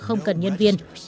không cần phải tính tiền